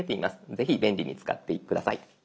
ぜひ便利に使って下さい。